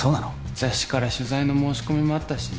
雑誌から取材の申し込みもあったしね